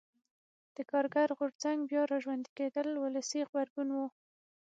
د کارګر غورځنګ بیا را ژوندي کېدل ولسي غبرګون و.